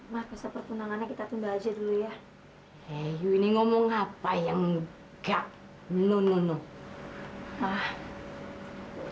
maksa perpunangannya kita tunda aja dulu ya eh ini ngomong apa yang gak menurut